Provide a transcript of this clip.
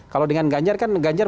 kalau dengan ganjar kan ganjar